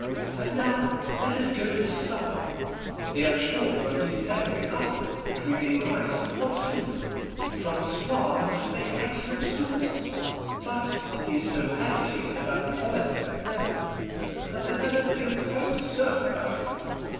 And now let us go to supper. They are sure to have eaten everything up, but we may find some hot soup. François used to make excellent soup once, but he is so agitated about politics at present, that I never feel quite certain about him.